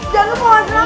jangan lu mau ngerangin